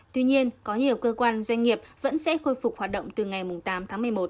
tuy nhiên có nhiều cơ quan doanh nghiệp vẫn sẽ khôi phục hoạt động từ ngày tám tháng một mươi một